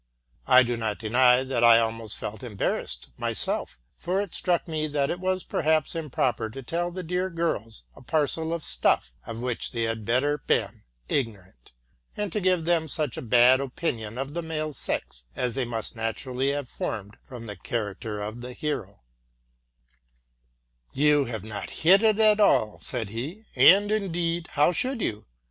I do not deny that I almost felt embarrassed myself ; for it struck me that it was perhaps improper to tell the dear girls a parcel of stuff of which they had better been ignorant, "and to give them such a bad opinion of the male sex as they must naturally have formed from the character of the hero,'' — You have not hit it at all,'' said he; '* and, indeed, RELATING TO MY LIFE. 53 how should you?